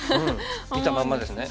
見たまんまですね。